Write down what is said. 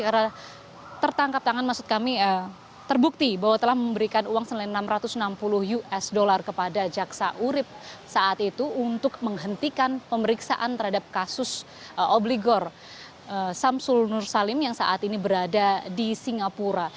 karena tertangkap tangan maksud kami terbukti bahwa telah memberikan uang selain enam ratus enam puluh usd kepada jaksa urib saat itu untuk menghentikan pemeriksaan terhadap kasus obligor samsul nur salim yang saat ini berada di singapura